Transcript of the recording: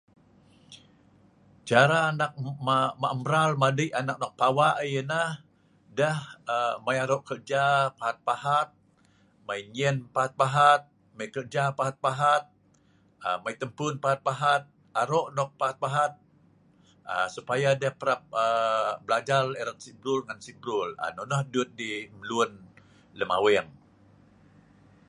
cara anak ma ma mral madik anak nok pawa ianah deh aa mei arok kerja pahat pahat mei nyen pahat pahat mei kerja pahat pahat aa mei tempun pahat pahat. arok nok pahat aa supaya deh parap aa belajar erat sik brul ngan sik brul aa nonoh dut lun lem aweng